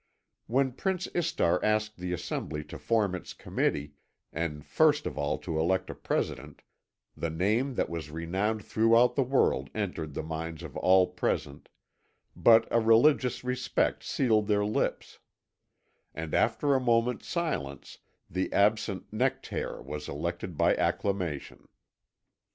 When Prince Istar asked the assembly to form its Committee, and first of all to elect a President, the name that was renowned throughout the world entered the minds of all present, but a religious respect sealed their lips; and after a moment's silence, the absent Nectaire was elected by acclamation.